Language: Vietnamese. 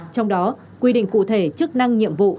trong đó quy định cụ thể chức năng nhiệm vụ